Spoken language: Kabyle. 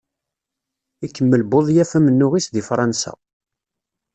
Ikemmel Budyaf amennuɣ-is deg Fransa.